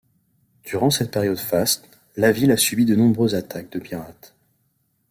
Durant cette période faste, la ville a subi de nombreuses attaques de pirates.